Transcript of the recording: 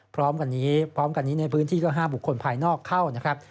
พร้อมกันนี้ในพื้นที่ก็ห้ามบุคคลภายนอกเข้า